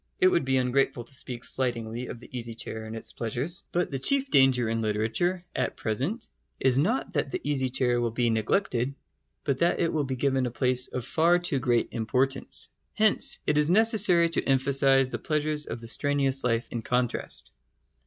It would be ungrateful to speak slightingly of the easy chair and its pleasures. But the chief danger in literature at present is not that the easy chair will be neglected, but that it will be given a place of far too great importance. Hence it is necessary to emphasise the pleasures of the strenuous life in contrast.